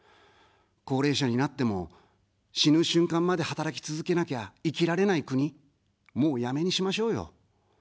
高齢者になっても、死ぬ瞬間まで働き続けなきゃ生きられない国、もうやめにしましょうよ。